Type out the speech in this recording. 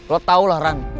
lo tau lah ran